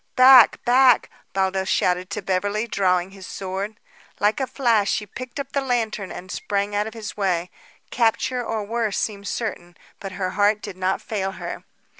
"Back! Back!" Baldos shouted to Beverly, drawing his sword. Like a flash, she picked up the lantern and sprang out of his way. Capture or worse seemed certain; but her heart did not fail her.